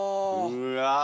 うわ！